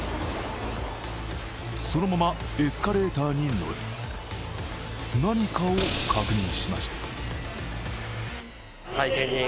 そのままエスカレーターに乗り何かを確認しました。